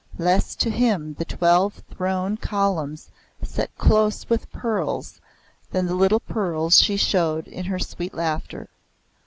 Less to him the twelve throne columns set close with pearls than the little pearls she showed in her sweet laughter.